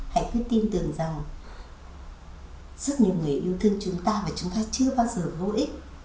hãy cứ tin tưởng rằng rất nhiều người yêu thương chúng ta và chúng ta chưa bao giờ vô ích